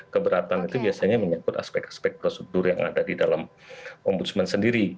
keberatan itu biasanya menyangkut aspek aspek prosedur yang ada di dalam ombudsman sendiri